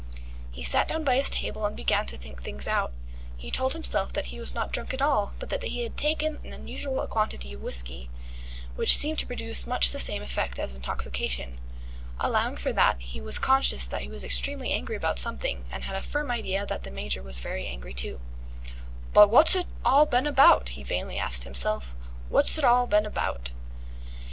He sat down by his table and began to think things out. He told himself that he was not drunk at all, but that he had taken an unusual quantity of whisky, which seemed to produce much the same effect as intoxication. Allowing for that, he was conscious that he was extremely angry about something, and had a firm idea that the Major was very angry too. "But woz'it all been about?" he vainly asked himself. "Woz'it all been about?"